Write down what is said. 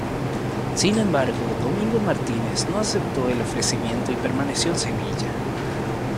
Sin embargo, Domingo Martínez no aceptó el ofrecimiento y permaneció en Sevilla.